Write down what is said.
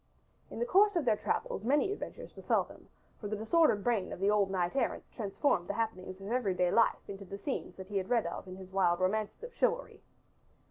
In the course of their travels many adventures befell them, for the disordered brain of the old knight errant transformed the happenings of every day life into the scenes that he had read of in his wild romances of chivalry.